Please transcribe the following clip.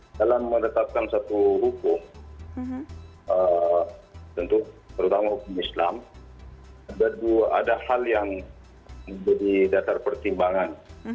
dalam menetapkan satu hukum tentu terutama hukum islam ada hal yang menjadi dasar pertimbangan